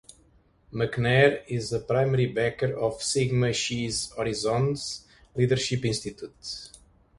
McNair is a primary backer of Sigma Chi's Horizons leadership institute.